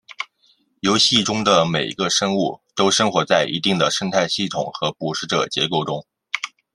游戏中的每一个生物都生活在一定的生态系统和捕食者结构中。